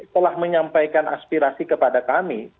telah menyampaikan aspirasi kepada kami